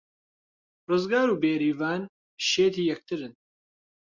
ڕزگار و بێریڤان شێتی یەکترن.